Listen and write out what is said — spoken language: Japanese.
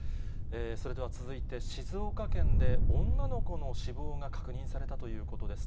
それでは続いて、静岡県で女の子の死亡が確認されたということです。